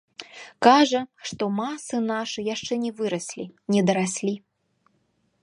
Кажа, што масы нашы яшчэ не выраслі, не дараслі.